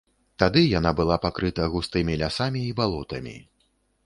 Тады яна была пакрыта густымі лясамі і балотамі.